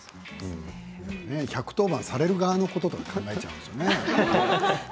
１１０番される側のことを考えちゃうんですよね。